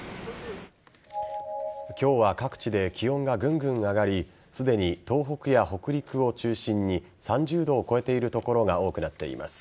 今日は各地で気温がぐんぐん上がりすでに東北や北陸を中心に３０度を超えている所が多くなっています。